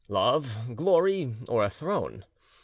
Love, glory, or a throne?